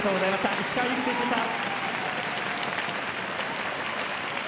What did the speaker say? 石川祐希選手でした。